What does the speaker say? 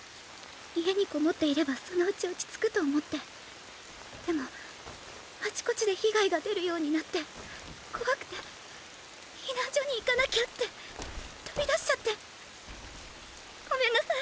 家に籠っていればそのうち落ち着くと思ってでもあちこちで被害が出るようになって恐くて避難所に行かなきゃって飛び出しちゃってごめんなさい。